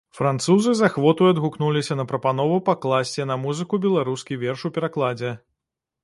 Французы з ахвотаю адгукнуліся на прапанову пакласці на музыку беларускі верш у перакладзе.